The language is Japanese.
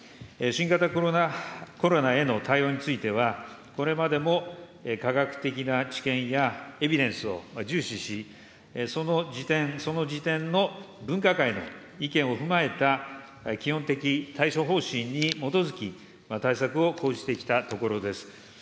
新型コロナへの対応については、これまでも科学的な知見やエビデンスを重視し、その時点その時点の分科会の意見を踏まえた基本的対処方針に基づき、対策を講じてきたところです。